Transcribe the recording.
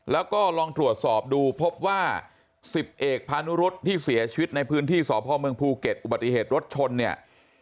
แล้วก็ลองตรวจสอบดูพบว่า๑๐เอกพานุรุษที่เสียชีวิตในพื้นที่สพเมืองภูเก็ตอุบัติเหตุรถชนเนี่ย